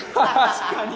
確かに